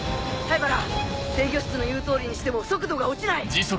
灰原制御室の言う通りにしても速度が落ちない。